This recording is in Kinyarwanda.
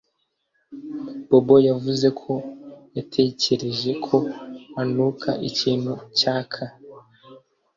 Bobo yavuze ko yatekereje ko anuka ikintu cyaka